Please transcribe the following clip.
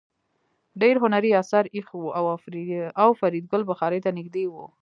ډېر هنري اثار ایښي وو او فریدګل بخارۍ ته نږدې و